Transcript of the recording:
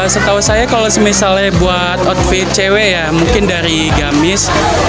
setahu saya kalau misalnya buat outfit cewek ya mungkin dari gamis